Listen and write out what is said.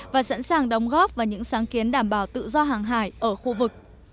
và sẵn sàng đóng góp vào những sáng kiến đảm bảo tự do hàng hải ở khu vực